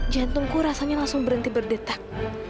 jantungku rasanya langsung berhenti berdetak